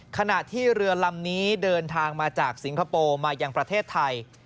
ขณะที่เรือลำนี้เดินทางมาจากสิงคโปร์มายังประเทศไทย